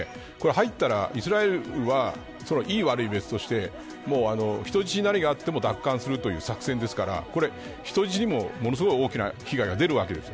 入ったらイスラエル軍はいい悪いは別として人質に何があっても奪還するという作戦ですから人質にも、ものすごい大きな被害が出るわけです。